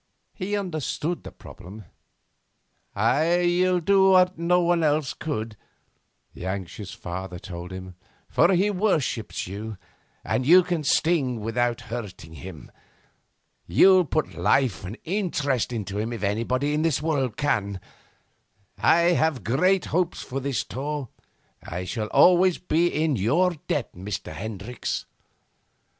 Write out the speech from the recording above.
He understood the problem. 'You'll do what no one else could,' the anxious father told him, 'for he worships you, and you can sting without hurting him. You'll put life and interest into him if anybody in this world can. I have great hopes of this tour. I shall always be in your debt, Mr. Hendricks.